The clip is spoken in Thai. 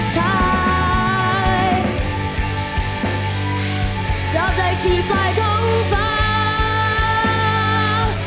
จับใจที่ปลายท้องฟ้า